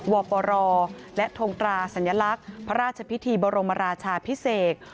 ปปรและทงตราสัญลักษณ์พระราชพิธีบรมราชาพิเศษ